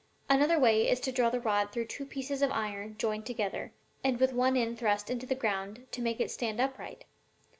Another way is to draw the rod through two pieces of iron joined together, and with one end thrust into the ground to make it stand upright.